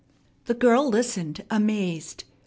The girl listened amazed.